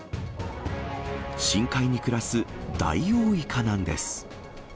深海に暮らすダイオウイカなんです。